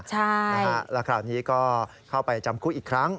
ใช่แล้วคราวนี้ก็เข้าไปจำคุกอีกครั้ง